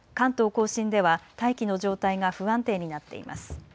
甲信では大気の状態が不安定になっています。